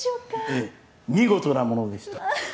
ええ見事なものでした。